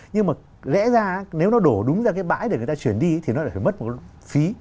nhưng mà lẽ ra nếu nó đổ đúng ra cái bãi để người ta chuyển đi thì nó lại phải mất một phí